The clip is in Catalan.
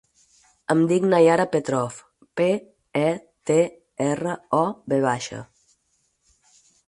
Em dic Naiara Petrov: pe, e, te, erra, o, ve baixa.